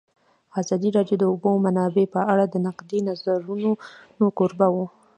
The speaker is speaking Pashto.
ازادي راډیو د د اوبو منابع په اړه د نقدي نظرونو کوربه وه.